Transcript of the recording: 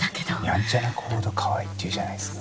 やんちゃな子ほどかわいいっていうじゃないですか。